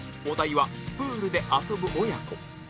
お題は「プールで遊ぶ親子」